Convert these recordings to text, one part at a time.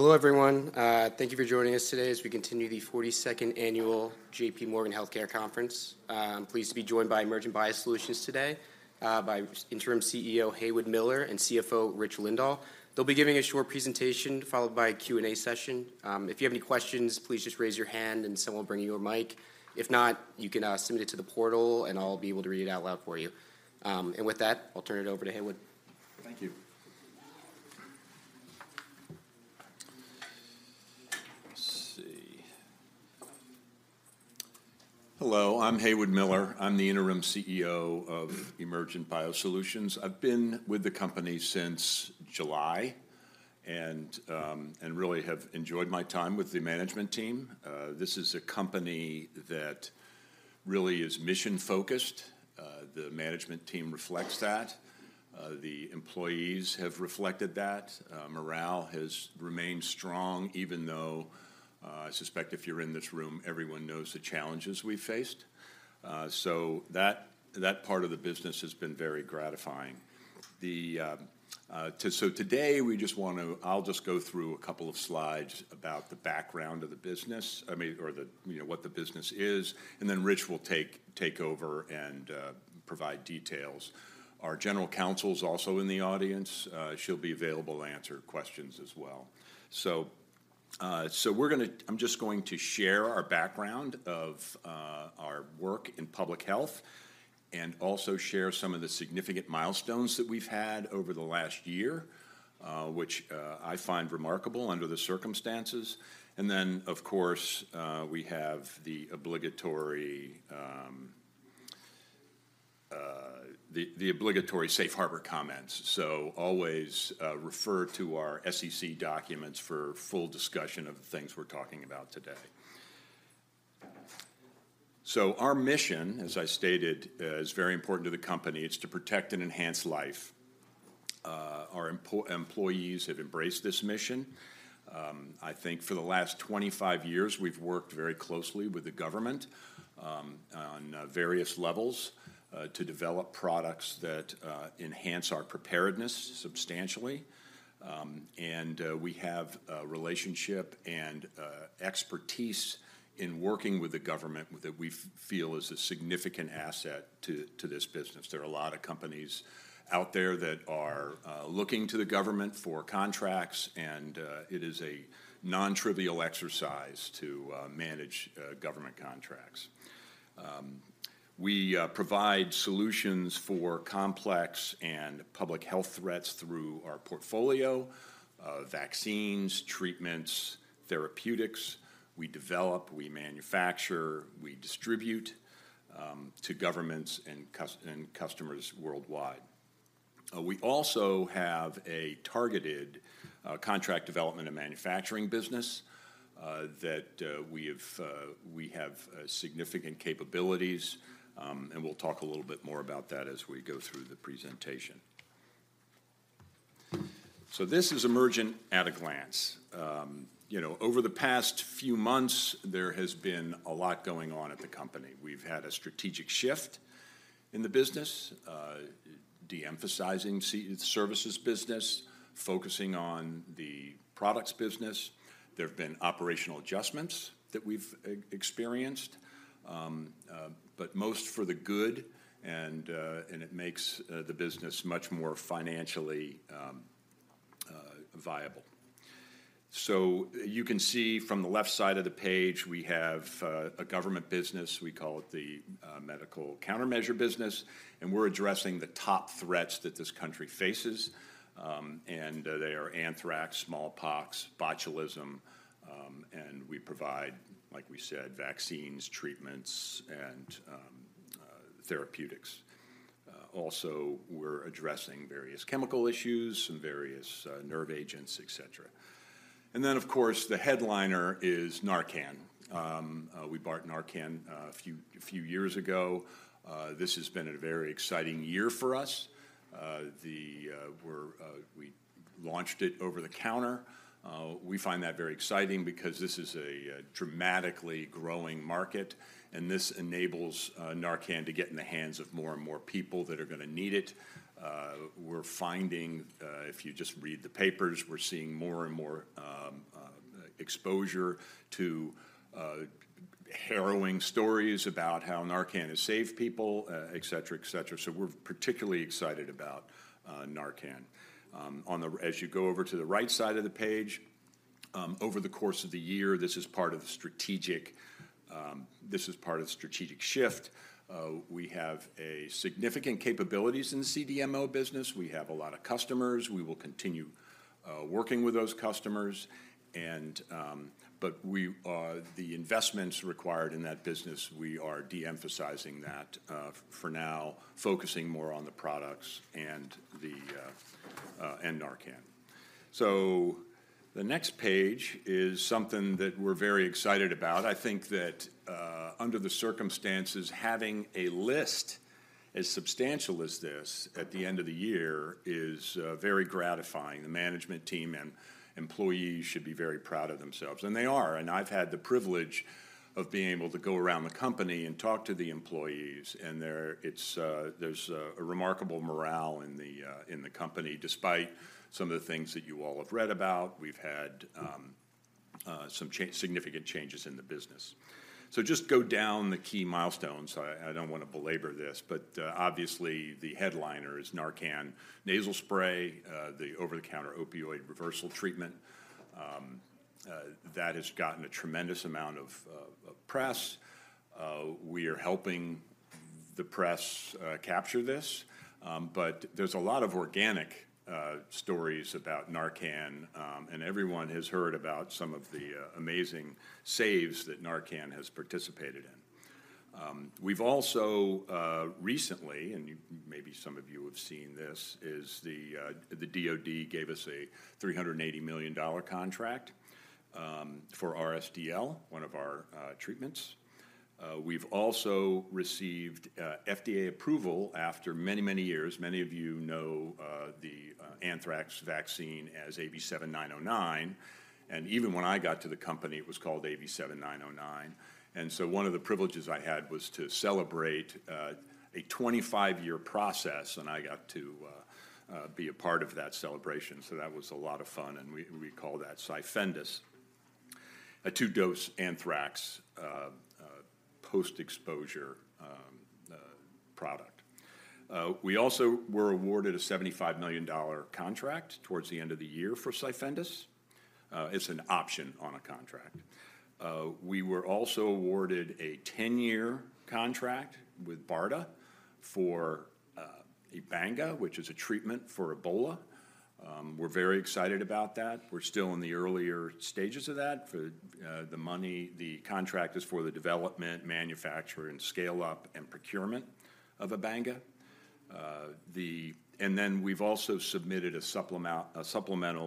Hello, everyone. Thank you for joining us today as we continue the 42nd annual JPMorgan Healthcare Conference. I'm pleased to be joined by Emergent BioSolutions today, by Interim CEO Haywood Miller and CFO Rich Lindahl. They'll be giving a short presentation, followed by a Q&A session. If you have any questions, please just raise your hand and someone will bring you a mic. If not, you can submit it to the portal, and I'll be able to read it out loud for you. With that, I'll turn it over to Haywood. Thank you. Let's see. Hello, I'm Haywood Miller. I'm the Interim CEO of Emergent BioSolutions. I've been with the company since July and really have enjoyed my time with the management team. This is a company that really is mission-focused. The management team reflects that. The employees have reflected that. Morale has remained strong, even though I suspect if you're in this room, everyone knows the challenges we've faced. So that part of the business has been very gratifying. So today, we just want to—I'll just go through a couple of slides about the background of the business, I mean, or the, you know, what the business is, and then Rich will take over and provide details. Our General Counsel is also in the audience. She'll be available to answer questions as well. So we're going to. I'm just going to share our background of our work in public health and also share some of the significant milestones that we've had over the last year, which I find remarkable under the circumstances. Then, of course, we have the obligatory safe harbor comments. So always refer to our SEC documents for full discussion of the things we're talking about today. So our mission, as I stated, is very important to the company. It's to protect and enhance life. Our employees have embraced this mission. I think for the last 25 years, we've worked very closely with the government, on various levels, to develop products that enhance our preparedness substantially. We have a relationship and expertise in working with the government that we feel is a significant asset to this business. There are a lot of companies out there that are looking to the government for contracts, and it is a non-trivial exercise to manage government contracts. We provide solutions for complex and public health threats through our portfolio of vaccines, treatments, therapeutics. We develop, we manufacture, we distribute to governments and customers worldwide. We also have a targeted contract development and manufacturing business that we have significant capabilities, and we'll talk a little bit more about that as we go through the presentation. So this is Emergent at a glance. You know, over the past few months, there has been a lot going on at the company. We've had a strategic shift in the business, de-emphasizing services business, focusing on the products business. There have been operational adjustments that we've experienced, but most for the good, and it makes the business much more financially viable. So you can see from the left side of the page, we have a government business. We call it the medical countermeasure business, and we're addressing the top threats that this company faces. And they are anthrax, smallpox, botulism, and we provide, like we said, vaccines, treatments, and therapeutics. Also, we're addressing various chemical issues and various nerve agents, et cetera. And then, of course, the headliner is NARCAN. We bought NARCAN a few years ago. This has been a very exciting year for us. We launched it over the counter. We find that very exciting because this is a dramatically growing market, and this enables NARCAN to get in the hands of more and more people that are gonna need it. We're finding if you just read the papers, we're seeing more and more exposure to harrowing stories about how NARCAN has saved people, et cetera, et cetera. So we're particularly excited about NARCAN. As you go over to the right side of the page, over the course of the year, this is part of the strategic shift. We have a significant capabilities in the CDMO business. We have a lot of customers. We will continue working with those customers, and the investments required in that business, we are de-emphasizing that for now, focusing more on the products and NARCAN. So the next page is something that we're very excited about. I think that under the circumstances, having a list as substantial as this at the end of the year is very gratifying. The management team and employees should be very proud of themselves, and they are. I've had the privilege of being able to go around the company and talk to the employees, and there's a remarkable morale in the company, despite some of the things that you all have read about. We've had... Some significant changes in the business. So just go down the key milestones. I don't wanna belabor this, but obviously, the headliner is NARCAN Nasal Spray, the over-the-counter opioid reversal treatment. That has gotten a tremendous amount of press. We are helping the press capture this, but there's a lot of organic stories about NARCAN, and everyone has heard about some of the amazing saves that NARCAN has participated in. We've also recently, and maybe some of you have seen this, is the DOD gave us a $380 million contract for RSDL, one of our treatments. We've also received FDA approval after many, many years. Many of you know the anthrax vaccine as AV7909, and even when I got to the company, it was called AV7909. And so one of the privileges I had was to celebrate a 25-year process, and I got to be a part of that celebration, so that was a lot of fun, and we call that CYFENDUS, a two-dose anthrax post-exposure product. We also were awarded a $75 million contract towards the end of the year for CYFENDUS. It's an option on a contract. We were also awarded a 10-year contract with BARDA for Ebanga, which is a treatment for Ebola. We're very excited about that. We're still in the earlier stages of that. For the money, the contract is for the development, manufacture, and scale-up, and procurement of Ebanga. The... And then we've also submitted a supplemental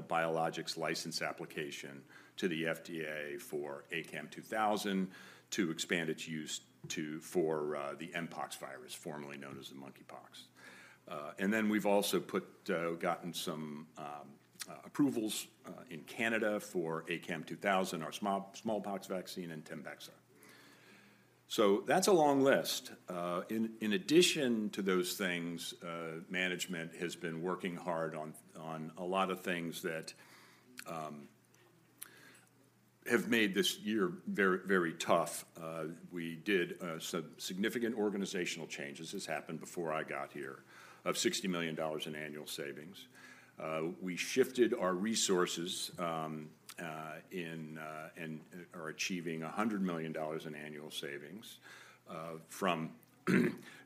biologics license application to the FDA for ACAM2000 to expand its use to, for, the Mpox virus, formerly known as monkeypox. And then we've also gotten some approvals in Canada for ACAM2000, our smallpox vaccine, and TEMBEXA. So that's a long list. In addition to those things, management has been working hard on a lot of things that have made this year very, very tough. We did some significant organizational changes. This happened before I got here, of $60 million in annual savings. We shifted our resources, achieving $100 million in annual savings, from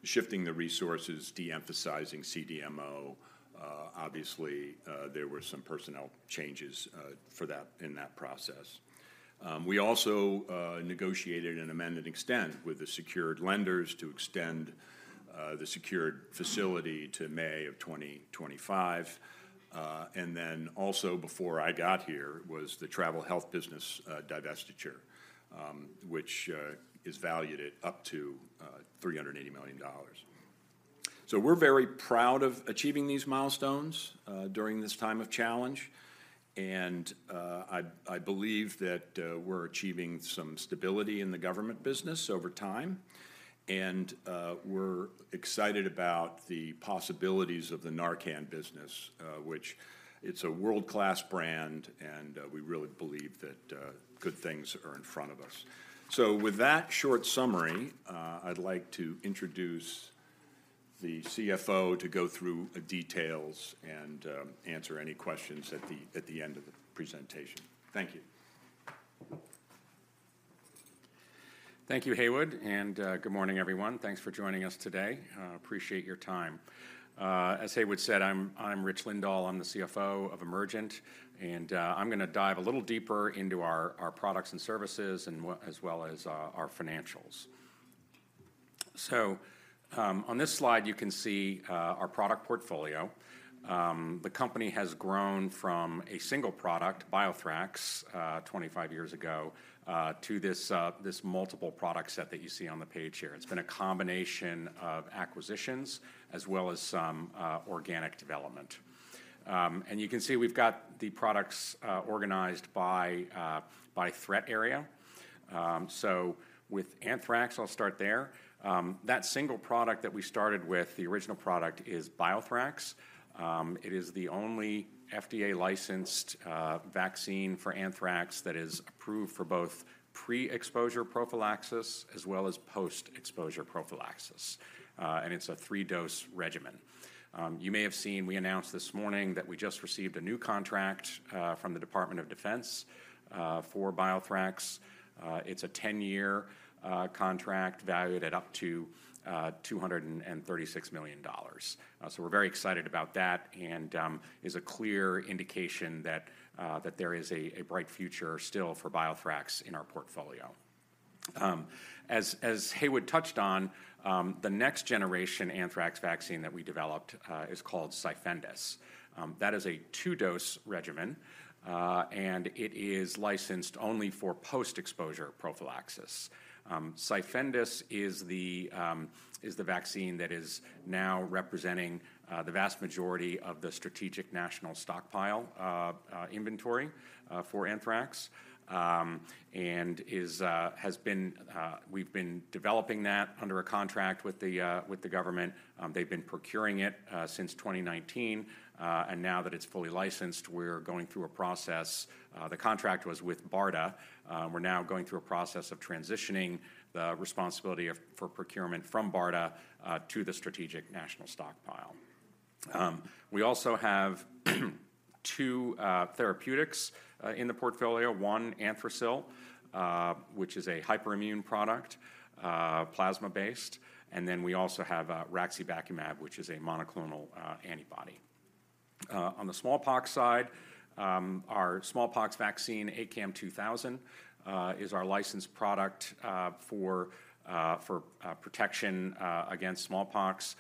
shifting the resources, de-emphasizing CDMO. Obviously, there were some personnel changes for that, in that process. We also negotiated an amend and extend with the secured lenders to extend the secured facility to May of 2025. And then also before I got here was the travel health business divestiture, which is valued at up to $380 million. So we're very proud of achieving these milestones during this time of challenge, and I believe that we're achieving some stability in the government business over time. We're excited about the possibilities of the NARCAN business, which it's a world-class brand, and we really believe that good things are in front of us. So with that short summary, I'd like to introduce the CFO to go through details and answer any questions at the end of the presentation. Thank you. Thank you, Haywood, and good morning, everyone. Thanks for joining us today. Appreciate your time. As Haywood said, I'm Rich Lindahl. I'm the CFO of Emergent, and I'm gonna dive a little deeper into our products and services, and what, as well as our financials. So, on this slide, you can see our product portfolio. The company has grown from a single product, BioThrax, 25 years ago, to this multiple product set that you see on the page here. It's been a combination of acquisitions as well as some organic development. And you can see we've got the products organized by threat area. So with anthrax, I'll start there. That single product that we started with, the original product, is BioThrax. It is the only FDA-licensed vaccine for anthrax that is approved for both pre-exposure prophylaxis as well as post-exposure prophylaxis, and it's a three-dose regimen. You may have seen we announced this morning that we just received a new contract from the Department of Defense for BioThrax. It's a 10-year contract valued at up to $236 million. So we're very excited about that, and is a clear indication that there is a bright future still for BioThrax in our portfolio. As Haywood touched on, the next-generation anthrax vaccine that we developed is called CYFENDUS. That is a two-dose regimen, and it is licensed only for post-exposure prophylaxis. CYFENDUS is the... is the vaccine that is now representing the vast majority of the Strategic National Stockpile inventory for anthrax. And has been. We've been developing that under a contract with the government. They've been procuring it since 2019, and now that it's fully licensed, we're going through a process. The contract was with BARDA. We're now going through a process of transitioning the responsibility for procurement from BARDA to the Strategic National Stockpile. We also have two therapeutics in the portfolio. One, Anthrasil, which is a hyperimmune product, plasma-based, and then we also have Raxibacumab, which is a monoclonal antibody. On the smallpox side, our smallpox vaccine, ACAM2000, is our licensed product for protection against smallpox.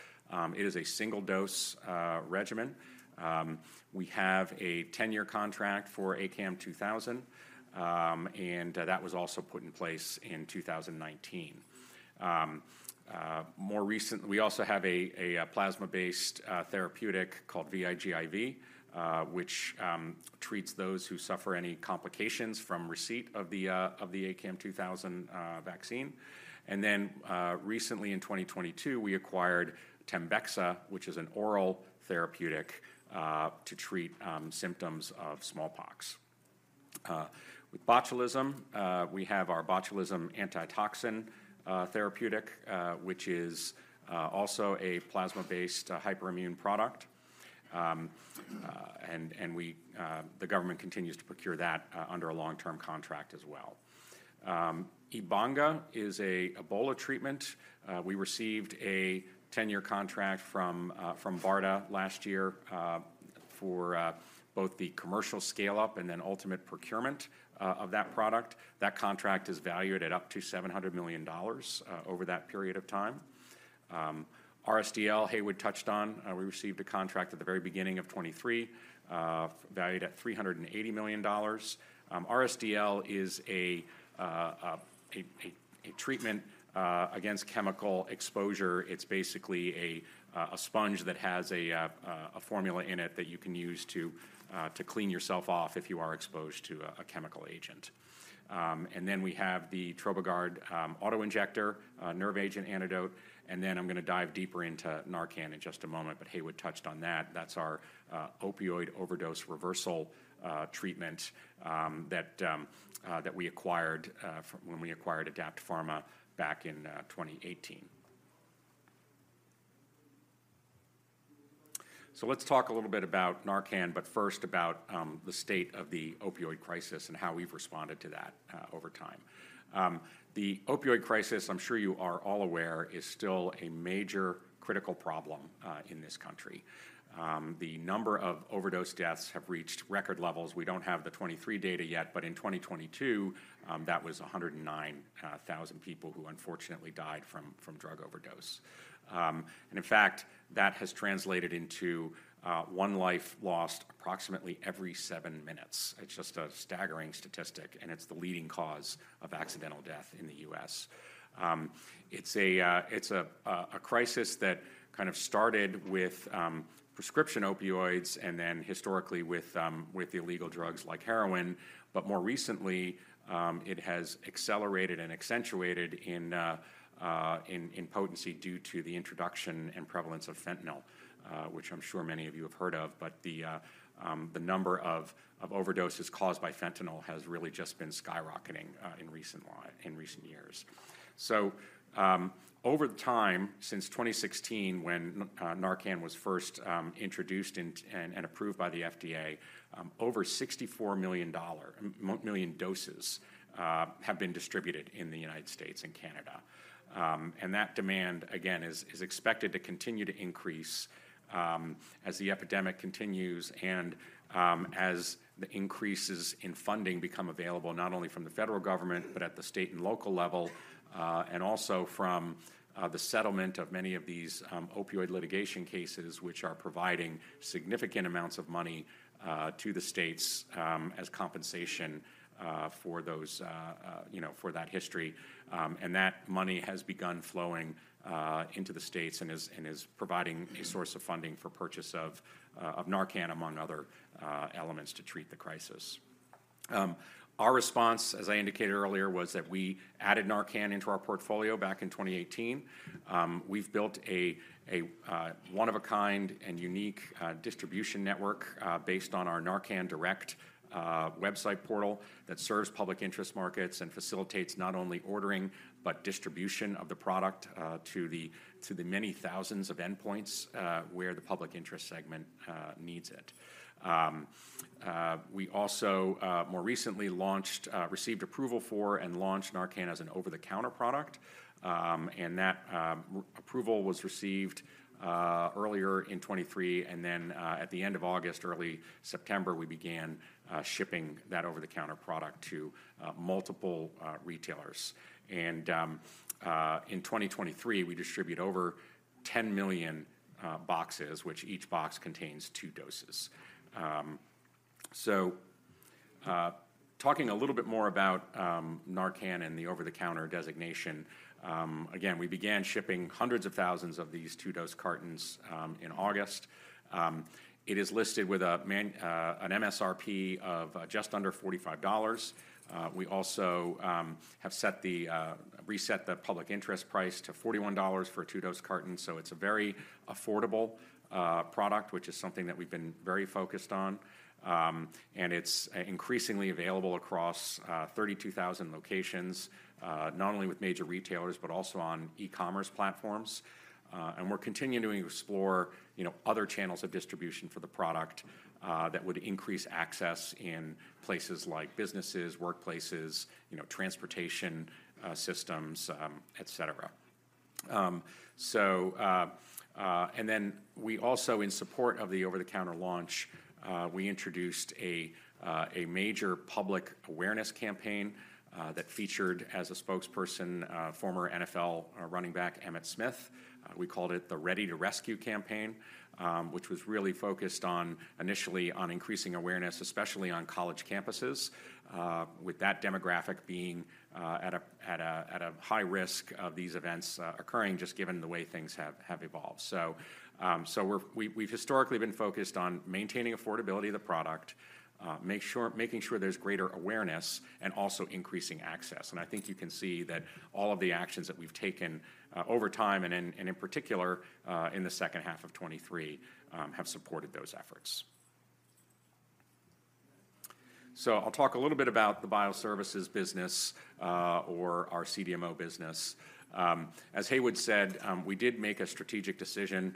It is a single-dose regimen. We have a 10-year contract for ACAM2000, and that was also put in place in 2019. More recently, we also have a plasma-based therapeutic called VIGIV, which treats those who suffer any complications from receipt of the ACAM2000 vaccine. And then, recently in 2022, we acquired TEMBEXA, which is an oral therapeutic to treat symptoms of smallpox. With botulism, we have our botulism antitoxin therapeutic, which is also a plasma-based hyperimmune product. And the government continues to procure that under a long-term contract as well. Ebanga is an Ebola treatment. We received a 10-year contract from BARDA last year, for both the commercial scale-up and then ultimate procurement of that product. That contract is valued at up to $700 million over that period of time. RSDL, Haywood touched on. We received a contract at the very beginning of 2023, valued at $380 million. RSDL is a treatment against chemical exposure. It's basically a sponge that has a formula in it that you can use to clean yourself off if you are exposed to a chemical agent. And then we have the Trobigard auto-injector, a nerve agent antidote, and then I'm gonna dive deeper into Narcan in just a moment, but Haywood touched on that. That's our opioid overdose reversal treatment that we acquired when we acquired Adapt Pharma back in 2018. So let's talk a little bit about NARCAN, but first about the state of the opioid crisis and how we've responded to that over time. The opioid crisis, I'm sure you are all aware, is still a major critical problem in this country. The number of overdose deaths have reached record levels. We don't have the 2023 data yet, but in 2022, that was 109,000 people who unfortunately died from drug overdose. And in fact, that has translated into one life lost approximately every seven minutes. It's just a staggering statistic, and it's the leading cause of accidental death in the U.S. It's a crisis that kind of started with prescription opioids and then historically with illegal drugs like heroin, but more recently, it has accelerated and accentuated in potency due to the introduction and prevalence of fentanyl, which I'm sure many of you have heard of. But the number of overdoses caused by fentanyl has really just been skyrocketing in recent years. So, over the time since 2016, when NARCAN was first introduced and approved by the FDA, over 64 million doses have been distributed in the United States and Canada. And that demand, again, is expected to continue to increase as the epidemic continues and as the increases in funding become available, not only from the federal government, but at the state and local level, and also from the settlement of many of these opioid litigation cases, which are providing significant amounts of money to the states as compensation for those, you know, for that history. And that money has begun flowing into the states and is providing a source of funding for purchase of NARCAN, among other elements to treat the crisis. Our response, as I indicated earlier, was that we added NARCAN into our portfolio back in 2018. We've built a one-of-a-kind and unique distribution network based on our NARCANDirect website portal that serves public interest markets and facilitates not only ordering but distribution of the product to the many thousands of endpoints where the public interest segment needs it. We also more recently launched, received approval for and launched NARCAN as an over-the-counter product, and that approval was received earlier in 2023, and then at the end of August, early September, we began shipping that over-the-counter product to multiple retailers. And in 2023, we distribute over 10 million boxes, which each box contains two doses. Talking a little bit more about NARCAN and the over-the-counter designation. Again, we began shipping hundreds of thousands of these two-dose cartons in August. It is listed with an MSRP of just under $45. We also have set the reset the public interest price to $41 for a two-dose carton, so it's a very affordable product, which is something that we've been very focused on. And it's increasingly available across 32,000 locations, not only with major retailers, but also on e-commerce platforms. And we're continuing to explore, you know, other channels of distribution for the product that would increase access in places like businesses, workplaces, you know, transportation systems, et cetera. So, and then we also, in support of the over-the-counter launch, we introduced a major public awareness campaign that featured as a spokesperson former NFL running back, Emmitt Smith. We called it the Ready to Rescue campaign, which was really focused initially on increasing awareness, especially on college campuses, with that demographic being at a high risk of these events occurring, just given the way things have evolved. So, so we're—we, we've historically been focused on maintaining affordability of the product, making sure there's greater awareness and also increasing access. And I think you can see that all of the actions that we've taken, over time, and in particular, in the second half of 2023, have supported those efforts. So I'll talk a little bit about the bioservices business, or our CDMO business. As Haywood said, we did make a strategic decision,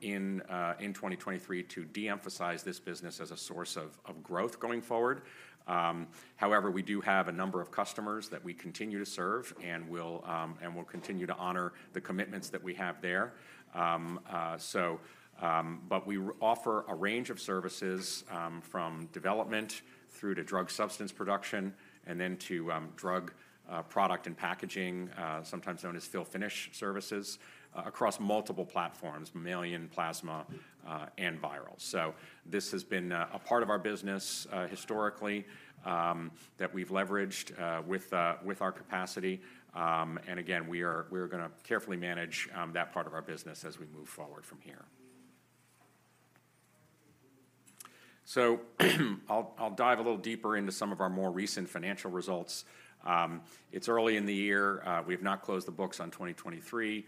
in 2023 to de-emphasize this business as a source of growth going forward. However, we do have a number of customers that we continue to serve and we'll, and we'll continue to honor the commitments that we have there. So, but we offer a range of services, from development through to drug substance production and then to drug product and packaging, sometimes known as fill-finish services, across multiple platforms: mammalian, plasma, and viral. So this has been a part of our business, historically, that we've leveraged, with our capacity. And again, we're gonna carefully manage that part of our business as we move forward from here. So, I'll dive a little deeper into some of our more recent financial results. It's early in the year. We have not closed the books on 2023,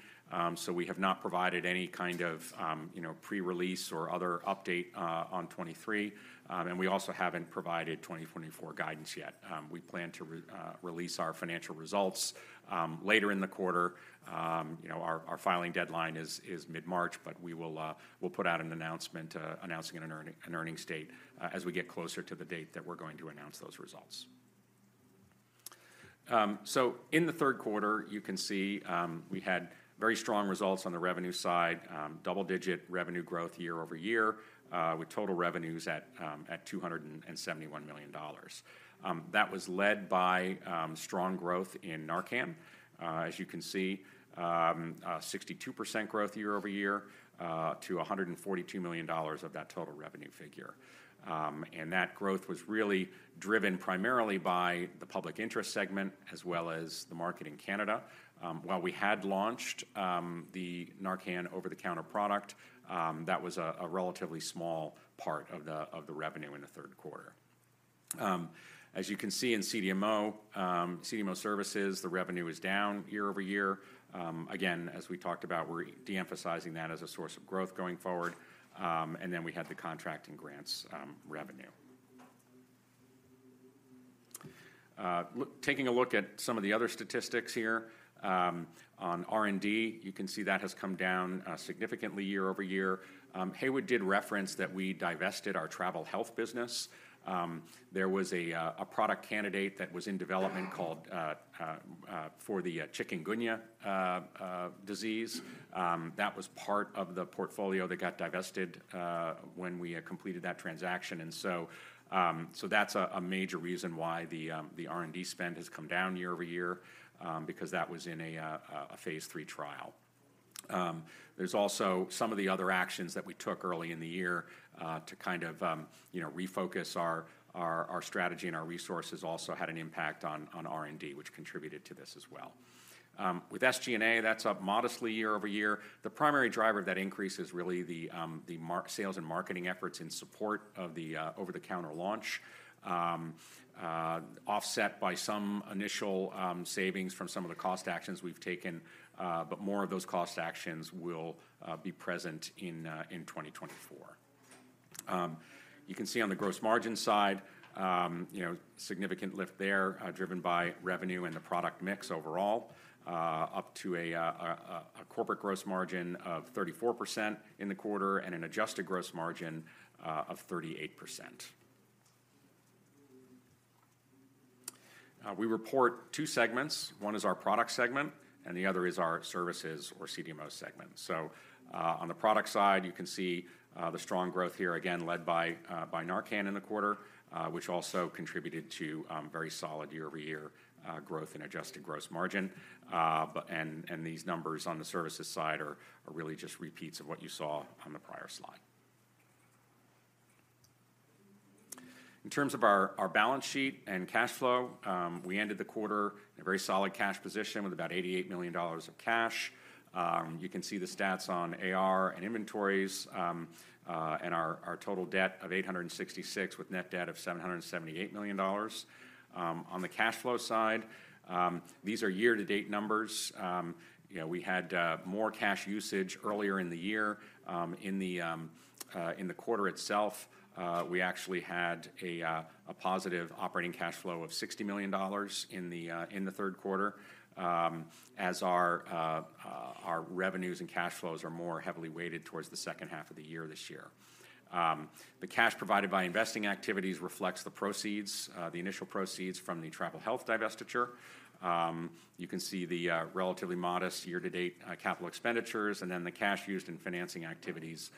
so we have not provided any kind of, you know, pre-release or other update on 2023. And we also haven't provided 2024 guidance yet. We plan to release our financial results later in the quarter. You know, our filing deadline is mid-March, but we'll put out an announcement announcing an earnings date as we get closer to the date that we're going to announce those results. So in the third quarter, you can see, we had very strong results on the revenue side, double-digit revenue growth year-over-year, with total revenues at $271 million. That was led by strong growth in NARCAN. As you can see, 62% growth year-over-year, to $142 million of that total revenue figure. And that growth was really driven primarily by the public interest segment, as well as the market in Canada. While we had launched the NARCAN over-the-counter product, that was a relatively small part of the revenue in the third quarter. As you can see in CDMO, CDMO services, the revenue is down year-over-year. Again, as we talked about, we're de-emphasizing that as a source of growth going forward. And then we had the contract and grants revenue. Taking a look at some of the other statistics here, on R&D, you can see that has come down significantly year-over-year. Haywood did reference that we divested our travel health business. There was a product candidate that was in development called for the Chikungunya disease. That was part of the portfolio that got divested when we completed that transaction. And so, so that's a major reason why the R&D spend has come down year-over-year, because that was in a phase III trial. There's also some of the other actions that we took early in the year to kind of, you know, refocus our strategy and our resources also had an impact on R&D, which contributed to this as well. With SG&A, that's up modestly year-over-year. The primary driver of that increase is really the sales and marketing efforts in support of the over-the-counter launch, offset by some initial savings from some of the cost actions we've taken. But more of those cost actions will be present in 2024. You can see on the gross margin side, you know, significant lift there, driven by revenue and the product mix overall, up to a corporate gross margin of 34% in the quarter and an adjusted gross margin of 38%. We report two segments. One is our product segment, and the other is our services or CDMO segment. So, on the product side, you can see the strong growth here, again led by NARCAN in the quarter, which also contributed to very solid year-over-year growth and adjusted gross margin. But these numbers on the services side are really just repeats of what you saw on the prior slide. In terms of our balance sheet and cash flow, we ended the quarter in a very solid cash position with about $88 million of cash. You can see the stats on AR and inventories, and our total debt of $866 million, with net debt of $778 million. On the cash flow side, these are year-to-date numbers. You know, we had more cash usage earlier in the year. In the quarter itself, we actually had a positive operating cash flow of $60 million in the third quarter, as our revenues and cash flows are more heavily weighted towards the second half of the year this year. The cash provided by investing activities reflects the proceeds, the initial proceeds from the Travel Health divestiture. You can see the relatively modest year-to-date capital expenditures, and then the cash used in financing activities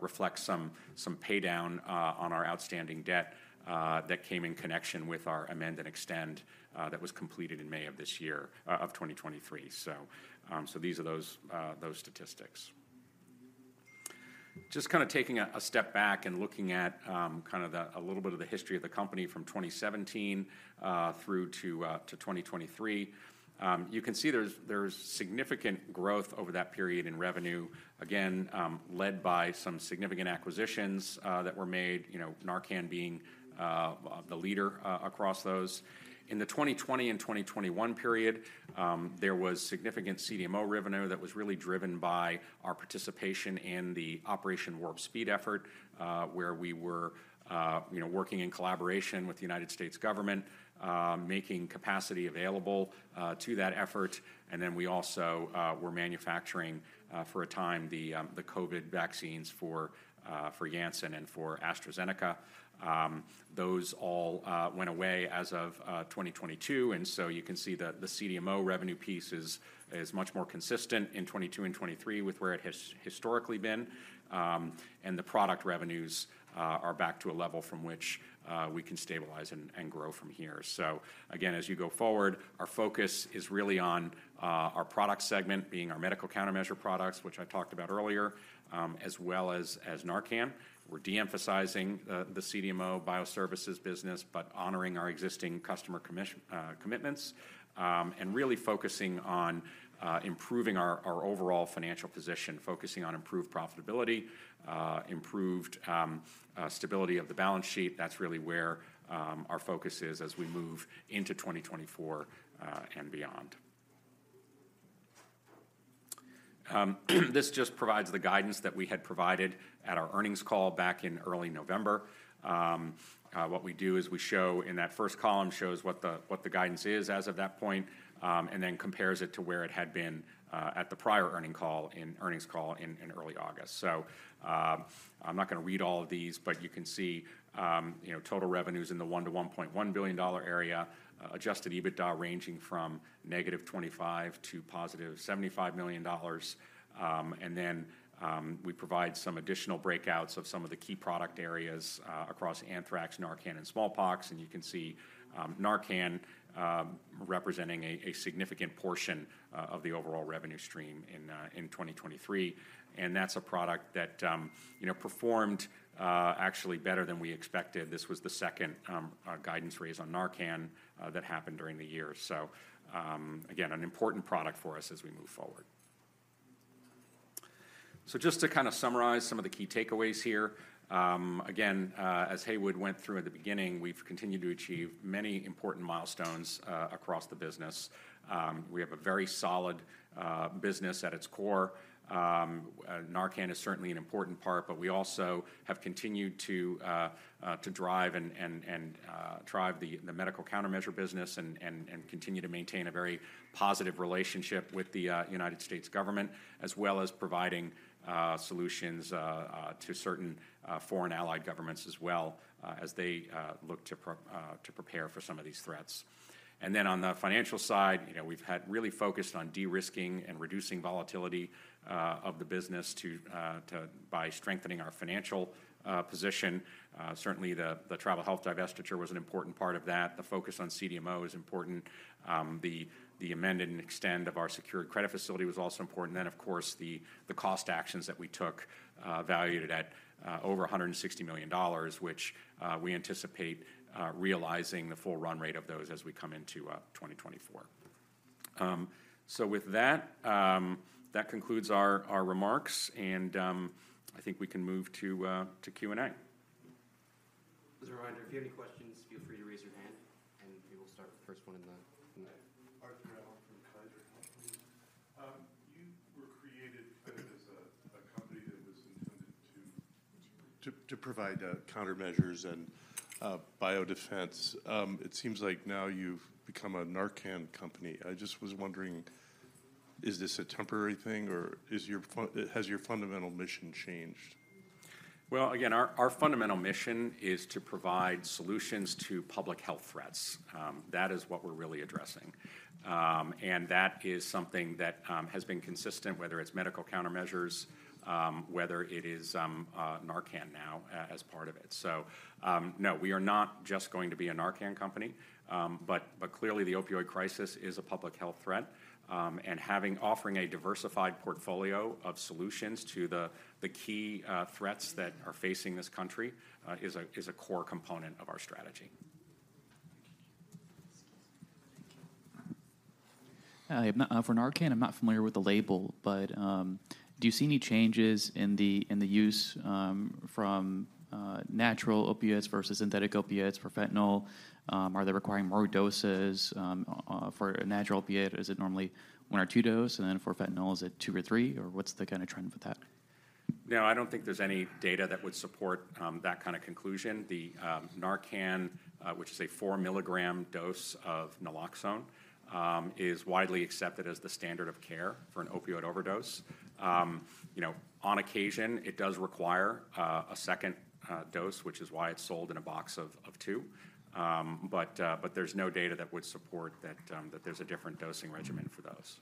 reflect some pay down on our outstanding debt that came in connection with our amend and extend that was completed in May of this year of 2023. So these are those statistics. Just kind of taking a step back and looking at kind of the, a little bit of the history of the company from 2017 through to 2023. You can see there's significant growth over that period in revenue, again, led by some significant acquisitions that were made, you know, NARCAN being the leader across those. In the 2020 and 2021 period, there was significant CDMO revenue that was really driven by our participation in the Operation Warp Speed effort, where we were, you know, working in collaboration with the United States government, making capacity available to that effort. And then we also were manufacturing, for a time, the COVID vaccines for Janssen and for AstraZeneca. Those all went away as of 2022, and so you can see that the CDMO revenue piece is much more consistent in 2022 and 2023 with where it has historically been. And the product revenues are back to a level from which we can stabilize and grow from here. So again, as you go forward, our focus is really on our product segment being our medical countermeasure products, which I talked about earlier, as well as NARCAN. We're de-emphasizing the CDMO bioservices business, but honoring our existing customer commitments, and really focusing on improving our overall financial position. Focusing on improved profitability, improved stability of the balance sheet. That's really where our focus is as we move into 2024 and beyond. This just provides the guidance that we had provided at our earnings call back in early November. What we do is we show, in that first column, what the guidance is as of that point, and then compares it to where it had been at the prior earnings call in early August. So, I'm not gonna read all of these, but you know, you can see, you know, total revenues in the $1-$1.1 billion area, Adjusted EBITDA ranging from -$25 million to +$75 million. And then, we provide some additional breakouts of some of the key product areas across anthrax, NARCAN, and smallpox. And you can see, NARCAN representing a significant portion of the overall revenue stream in 2023. And that's a product that, you know, performed actually better than we expected. This was the second guidance raise on NARCAN that happened during the year. So, again, an important product for us as we move forward. So just to kind of summarize some of the key takeaways here, again, as Haywood went through at the beginning, we've continued to achieve many important milestones across the business. We have a very solid business at its core. NARCAN is certainly an important part, but we also have continued to drive the medical countermeasure business and continue to maintain a very positive relationship with the United States government, as well as providing solutions to certain foreign allied governments as well, as they look to prepare for some of these threats. Then on the financial side, you know, we've had really focused on de-risking and reducing volatility of the business by strengthening our financial position. Certainly, the Tribal Health divestiture was an important part of that. The focus on CDMO is important. The amend and extend of our secured credit facility was also important. Then, of course, the cost actions that we took, valued at over $160 million, which we anticipate realizing the full run rate of those as we come into 2024. So with that, that concludes our remarks, and I think we can move to Q&A. As a reminder, if you have any questions, feel free to raise your hand, and we will start with the first one in the. Arthur Allen from Kaiser Health News. You were created as a company that was intended to provide countermeasures and biodefense. It seems like now you've become a NARCAN company. I just was wondering, is this a temporary thing, or has your fundamental mission changed? Well, again, our fundamental mission is to provide solutions to public health threats. That is what we're really addressing. And that is something that has been consistent, whether it's medical countermeasures, whether it is NARCAN now, as part of it. So, no, we are not just going to be a NARCAN company, but clearly, the opioid crisis is a public health threat. And having, offering a diversified portfolio of solutions to the key threats that are facing this country is a core component of our strategy.... I am not for NARCAN, I'm not familiar with the label, but do you see any changes in the, in the use from natural opioids versus synthetic opioids for fentanyl? Are they requiring more doses for a natural opiate, is it normally one or two dose, and then for fentanyl, is it two or three, or what's the kind of trend with that? No, I don't think there's any data that would support that kind of conclusion. The NARCAN, which is a four milligram dose of naloxone, is widely accepted as the standard of care for an opioid overdose. You know, on occasion, it does require a second dose, which is why it's sold in a box of two. But there's no data that would support that there's a different dosing regimen for those.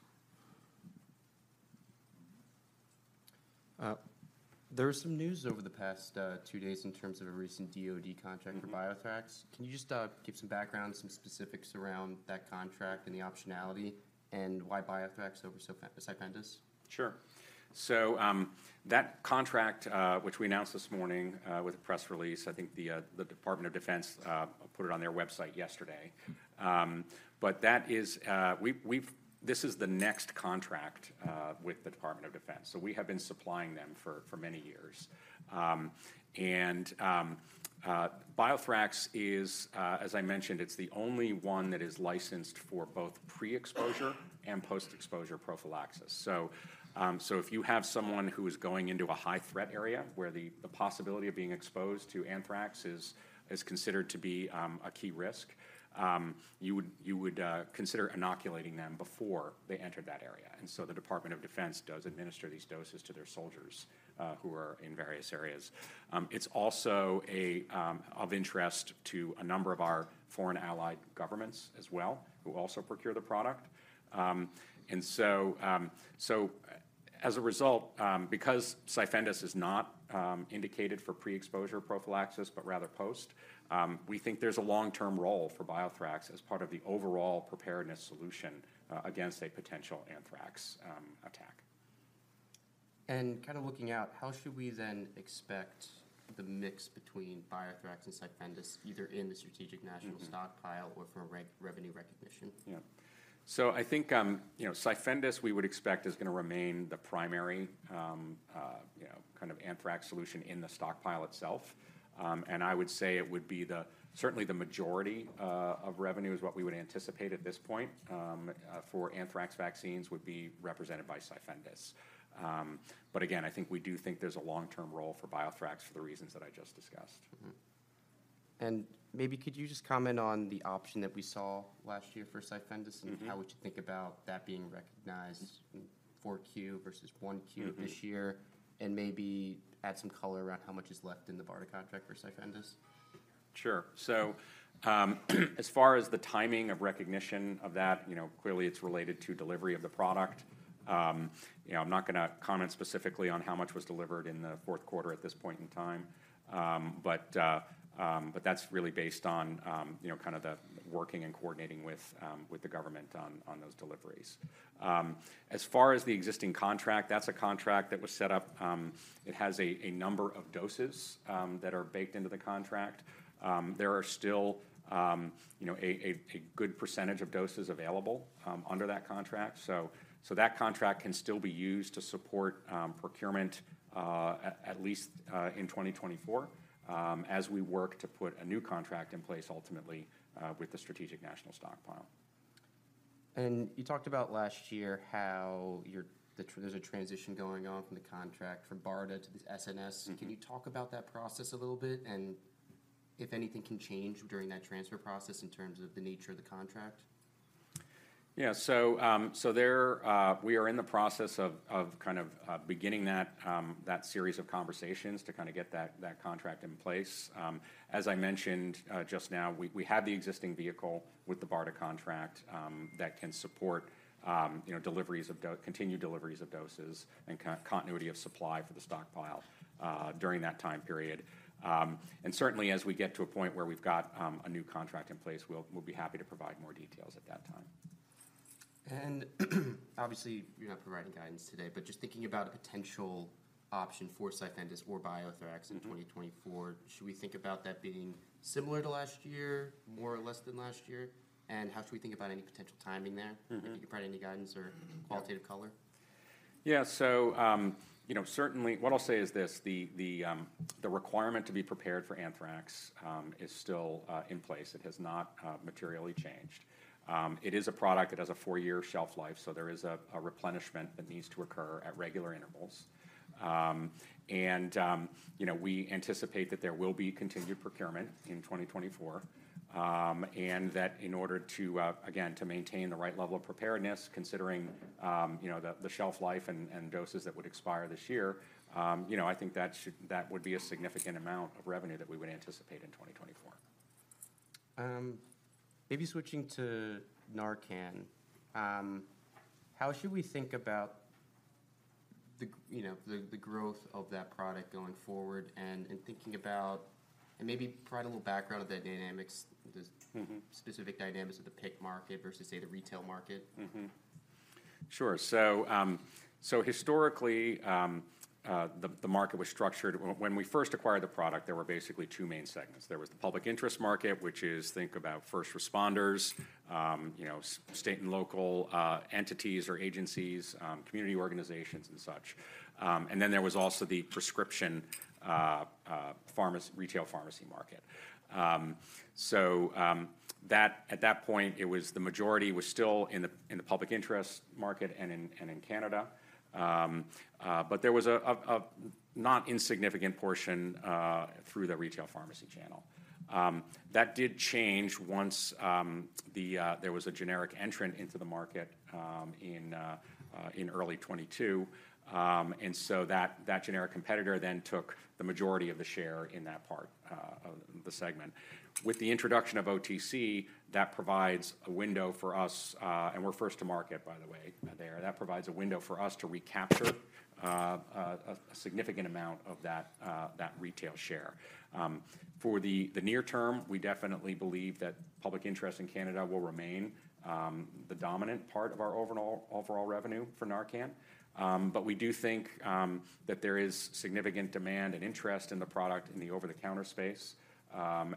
There was some news over the past two days in terms of a recent DoD contract- Mm-hmm... for BioThrax. Can you just give some background, some specifics around that contract and the optionality, and why BioThrax over CYFENDUS? Sure. So, that contract, which we announced this morning with a press release, I think the Department of Defense put it on their website yesterday. But that is—this is the next contract with the Department of Defense, so we have been supplying them for many years. And BioThrax is, as I mentioned, it's the only one that is licensed for both pre-exposure and post-exposure prophylaxis. So, if you have someone who is going into a high-threat area, where the possibility of being exposed to anthrax is considered to be a key risk, you would consider inoculating them before they entered that area. And so the Department of Defense does administer these doses to their soldiers who are in various areas. It's also of interest to a number of our foreign allied governments as well, who also procure the product. So as a result, because CYFENDUS is not indicated for pre-exposure prophylaxis, but rather post, we think there's a long-term role for BioThrax as part of the overall preparedness solution against a potential anthrax attack. Kind of looking out, how should we then expect the mix between BioThrax and CYFENDUS, either in the strategic- Mm-hmm... National Stockpile or for revenue recognition? Yeah. So I think, you know, CYFENDUS, we would expect, is gonna remain the primary, you know, kind of anthrax solution in the stockpile itself. And I would say it would be the, certainly the majority, of revenue is what we would anticipate at this point, for anthrax vaccines would be represented by CYFENDUS. But again, I think we do think there's a long-term role for BioThrax for the reasons that I just discussed. Mm-hmm. Maybe could you just comment on the option that we saw last year for CYFENDUS? Mm-hmm. How would you think about that being recognized in 4Q versus 1Q? Mm-hmm... this year? And maybe add some color around how much is left in the BARDA contract for CYFENDUS. Sure. So, as far as the timing of recognition of that, you know, clearly it's related to delivery of the product. You know, I'm not gonna comment specifically on how much was delivered in the fourth quarter at this point in time. But that's really based on, you know, kind of the working and coordinating with the government on those deliveries. As far as the existing contract, that's a contract that was set up. It has a number of doses that are baked into the contract. There are still, you know, a good percentage of doses available under that contract. So that contract can still be used to support procurement, at least in 2024, as we work to put a new contract in place ultimately with the Strategic National Stockpile. You talked about last year, how there's a transition going on from the contract from BARDA to the SNS. Mm-hmm. Can you talk about that process a little bit? And if anything can change during that transfer process in terms of the nature of the contract. Yeah. So, so there, we are in the process of, of, kind of, beginning that series of conversations to kind of get that contract in place. As I mentioned, just now, we have the existing vehicle with the BARDA contract, that can support, you know, deliveries of continued deliveries of doses and continuity of supply for the stockpile, during that time period. And certainly, as we get to a point where we've got a new contract in place, we'll be happy to provide more details at that time. And obviously, you're not providing guidance today, but just thinking about a potential option for CYFENDUS or BioThrax- Mm-hmm... in 2024, should we think about that being similar to last year, more or less than last year? And how should we think about any potential timing there? Mm-hmm. Can you provide any guidance or? Mm-hmm... qualitative color? Yeah. So, you know, certainly, what I'll say is this: the requirement to be prepared for anthrax is still in place. It has not materially changed. It is a product that has a four-year shelf life, so there is a replenishment that needs to occur at regular intervals. And, you know, we anticipate that there will be continued procurement in 2024. And that in order to, again, to maintain the right level of preparedness, considering, you know, the shelf life and doses that would expire this year, you know, I think that would be a significant amount of revenue that we would anticipate in 2024. Maybe switching to NARCAN, how should we think about the, you know, growth of that product going forward, and thinking about... Maybe provide a little background of the dynamics, the- Mm-hmm... specific dynamics of the PIC market versus, say, the retail market. Mm-hmm. Sure. So, historically, the market was structured, when we first acquired the product, there were basically two main segments. There was the public interest market, which is, think about first responders, you know, state and local entities or agencies, and such. And then there was also the prescription retail pharmacy market. So, at that point, it was the majority was still in the public interest market and in Canada. But there was a not insignificant portion through the retail pharmacy channel. That did change once there was a generic entrant into the market, in early 2022. And so that generic competitor then took the majority of the share in that part of the segment. With the introduction of OTC, that provides a window for us, and we're first to market, by the way, there. That provides a window for us to recapture a significant amount of that retail share. For the near term, we definitely believe that public interest in Canada will remain the dominant part of our overall revenue for NARCAN. But we do think that there is significant demand and interest in the product in the over-the-counter space,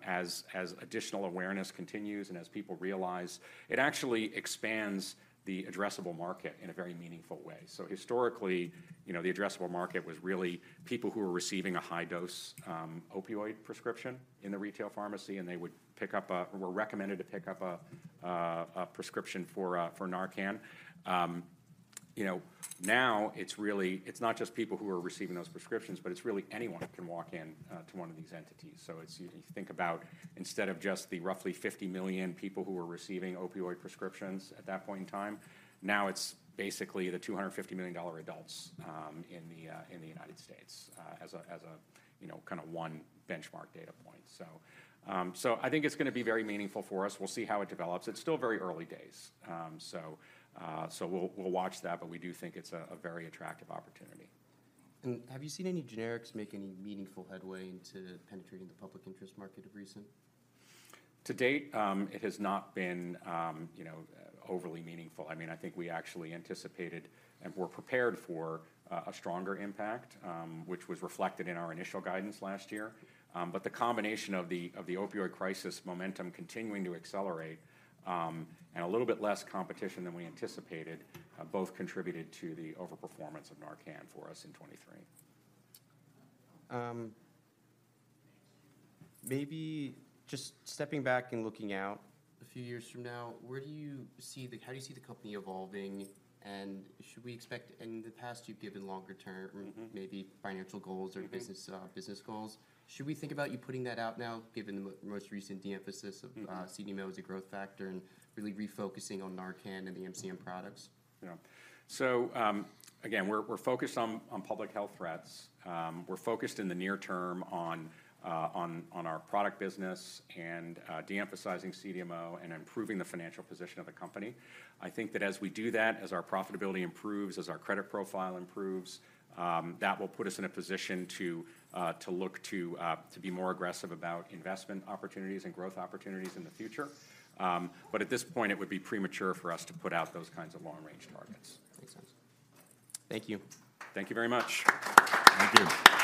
as additional awareness continues and as people realize it actually expands the addressable market in a very meaningful way. So historically, you know, the addressable market was really people who were receiving a high-dose opioid prescription in the retail pharmacy, and they were recommended to pick up a prescription for NARCAN. You know, now it's really it's not just people who are receiving those prescriptions, but it's really anyone who can walk in to one of these entities. So it's, you think about instead of just the roughly 50 million people who were receiving opioid prescriptions at that point in time, now it's basically the 250 million adults in the United States as a you know, kinda one benchmark data point. So, so I think it's gonna be very meaningful for us. We'll see how it develops. It's still very early days, so we'll watch that, but we do think it's a very attractive opportunity. Have you seen any generics make any meaningful headway into penetrating the public interest market of recent? To date, it has not been, you know, overly meaningful. I mean, I think we actually anticipated, and were prepared for, a stronger impact, which was reflected in our initial guidance last year. But the combination of the opioid crisis momentum continuing to accelerate, and a little bit less competition than we anticipated, both contributed to the overperformance of NARCAN for us in 2023. Maybe just stepping back and looking out a few years from now, where do you see the--how do you see the company evolving, and should we expect... In the past, you've given longer-term- Mm-hmm... maybe financial goals- Mm-hmm... or business, business goals. Should we think about you putting that out now, given the most recent de-emphasis of- Mm-hmm... CDMO as a growth factor and really refocusing on NARCAN and the MCM products? Yeah. So, again, we're focused on public health threats. We're focused in the near term on our product business and de-emphasizing CDMO and improving the financial position of the company. I think that as we do that, as our profitability improves, as our credit profile improves, that will put us in a position to look to be more aggressive about investment opportunities and growth opportunities in the future. But at this point, it would be premature for us to put out those kinds of long-range targets. Makes sense. Thank you. Thank you very much. Thank you.